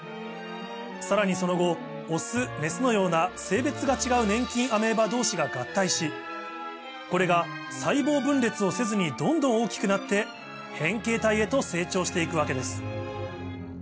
さらにその後オスメスのような性別が違う粘菌アメーバ同士が合体しこれが細胞分裂をせずにどんどん大きくなって変形体へと成長して行くわけです